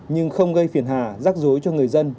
nhưng không gây phiền hà rắc rối cho người dân